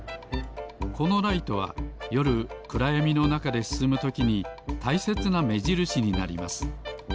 このライトはよるくらやみのなかですすむときにたいせつなめじるしになります。